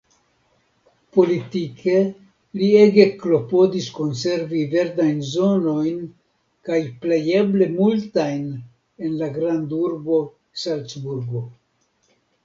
Politike li ege klopodis konservi verdajn zonojn kiel plejeble multajn en la grandurbo Salcburgo.